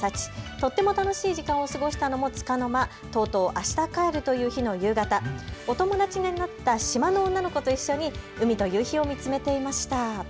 とても楽しい時間を過ごしたのもつかの間、あした帰る日という日の夕方お友達になった島の女の子と一緒に海と夕日を見つめていました。